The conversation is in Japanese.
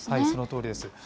そのとおりです。